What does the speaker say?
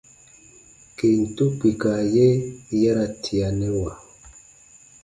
Kentu kpika ye ya ra tianɛwa.